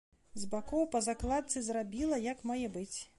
З бакоў па закладцы зрабіла, як мае быць.